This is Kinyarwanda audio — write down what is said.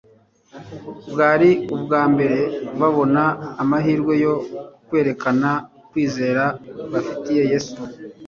Bwari ubwa mbere babona amahirwe yo kwerekana kwizera bafitiye yesu